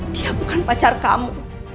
dia bukan pacar kamu